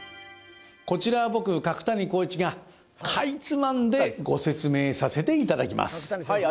こちらは僕角谷浩一がかいつまんでご説明させていただきます